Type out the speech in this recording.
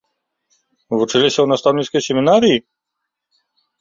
Вучыліся ў настаўніцкай семінарыі?